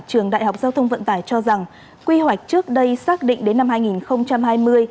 trường đại học giao thông vận tải cho rằng quy hoạch trước đây xác định đến năm hai nghìn hai mươi